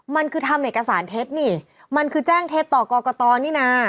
มันคือทำเอกสารเท็จนี่มันคือแจ้งเท็จต่อกรกตนี่นะ